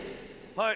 はい！